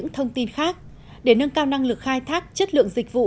thông tin khác để nâng cao năng lực khai thác chất lượng dịch vụ